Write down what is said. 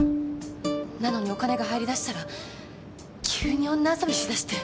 なのにお金が入りだしたら急に女遊びしだして。